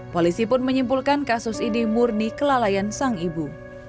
polisi pun menyimpulkan kasus ini murni kelalaian sang ibu